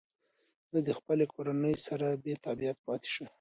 ده د خپلې کورنۍ سره بېتابعیت پاتې شو.